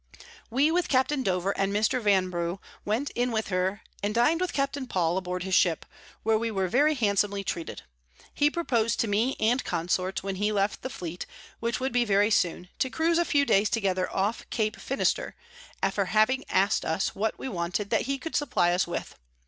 We with Capt. Dover and Mr. Vanbrugh went in her, and din'd with Capt. Paul aboard his Ship, where we were very handsomly treated. He propos'd to me and Consort when he left the Fleet, which would be very soon, to cruise a few days together off Cape Finister, after having ask'd us what we wanted that he could supply us with.